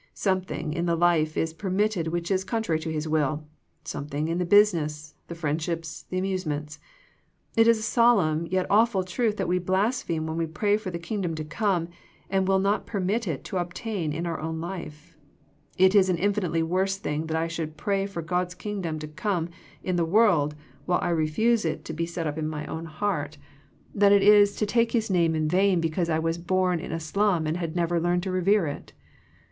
Something in the life is permitted which is con trary to His will ; something in the business, the friendships, the amusements. It is a solemn, yet awful truth that we blaspheme when we pray for the Kingdom to come and will not permit it to obtain in our own life. It is an infinitely worse thing that I should pray for God's Kingdom to come in the world while I refuse to allow it to be THE PEEPAEATION FOE PEAYEE 53 set up in my heart, than it is to take His name in vain because I was born in a slum and had never learned to revere it.